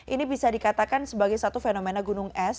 ini bisa dikatakan sebagai satu fenomena gunung es